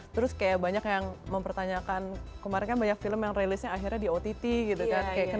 terus kayak banyak yang mempertanyakan kemarin kan banyak film yang rilisnya akhirnya di ott gitu kan